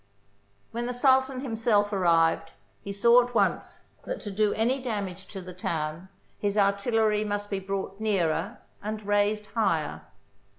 When the Sultan himself arrived, he saw at once that to do any damage to the town his artillery must be brought nearer and raised higher.